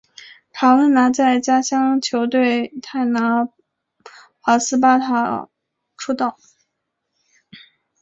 卡文拿在家乡球队泰拿华斯巴达出道。